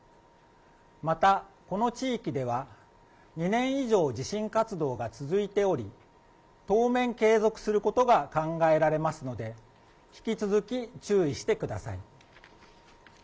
また、この地域では、２年以上地震活動が続いており、当面継続することが考えられますので、引き続き注意してください。